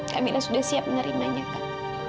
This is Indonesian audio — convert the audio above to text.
kak mila sudah siap menerimanya kak